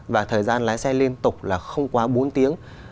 và thời gian lái xe liên tục là không quá bốn tiếng